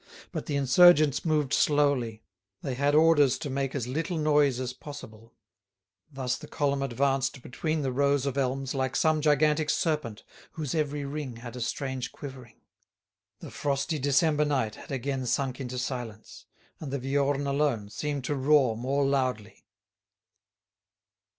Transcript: But the insurgents moved slowly. They had orders to make as little noise as possible. Thus the column advanced between the rows of elms like some gigantic serpent whose every ring had a strange quivering. The frosty December night had again sunk into silence, and the Viorne alone seemed to roar more loudly.